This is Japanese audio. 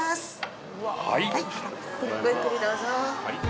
ごゆっくりどうぞ。